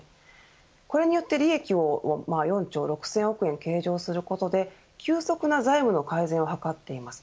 これによって利益を４兆６０００億円計上することで急速な財務の改善を図っています。